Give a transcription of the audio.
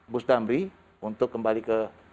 bus damri untuk kembali ke